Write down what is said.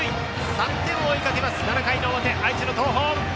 ３点を追いかける７回の表愛知の東邦。